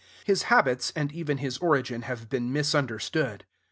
His habits, and even his origin, have been misunderstood.